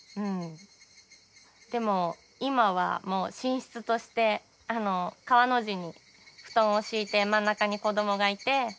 でも今はもう寝室として川の字に布団を敷いて真ん中に子供がいて。